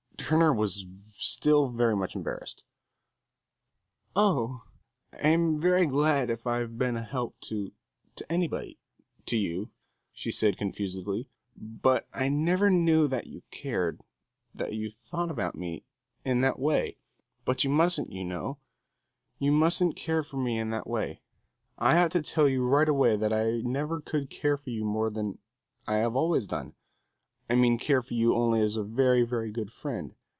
Turner was still very much embarrassed. "Oh, I'm very glad if I've been a help to to anybody to you," she said, confusedly. "But I never knew that you cared that you thought about me in that way. But you mustn't, you know, you mustn't care for me in that way. I ought to tell you right away that I never could care for you more than I always have done; I mean care for you only as a very, very good friend.